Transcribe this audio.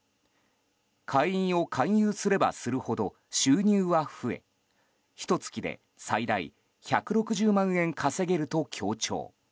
会員を勧誘すればするほど収入は増えひと月で最大１６０万円稼げると強調。